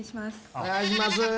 お願いします！